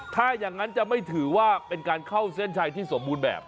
ถ้าอย่างนั้นจะไม่ถือว่าเป็นการเข้าเส้นชัยที่สมบูรณ์แบบ